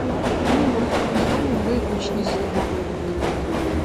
Ну от, знову ви гучні слова.